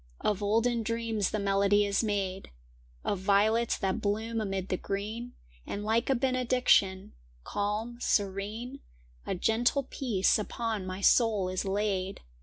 Of olden dreams the melody is made, Of violets that bloom amid the green; And like a benediction, calm, serene, A gentle peace upon my soul is laid.